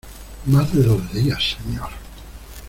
¡ más de dos días, señor!